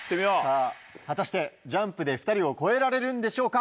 果たしてジャンプで２人を越えられるんでしょうか？